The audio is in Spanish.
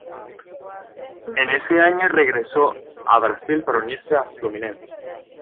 En ese año regresó a Brasil para unirse al Fluminense.